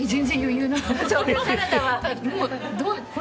サラダは。